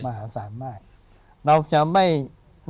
มหาศาลมาก